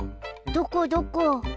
どこどこ？